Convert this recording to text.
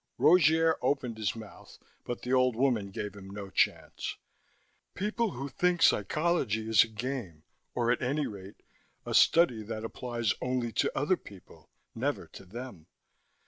Rogier opened his mouth, but the old woman gave him no chance. "People who think psychology is a game, or at any rate a study that applies only to other people, never to them.